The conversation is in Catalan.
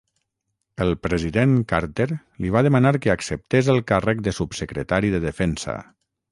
El president Carter li va demanar que acceptés el càrrec de Subsecretari de Defensa.